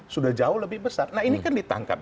sudah jauh lebih besar nah ini kan ditangkap